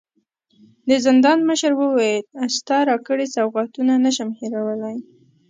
د زندان مشر وويل: ستا راکړي سوغاتونه نه شم هېرولی.